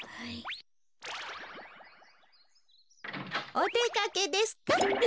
おでかけですか？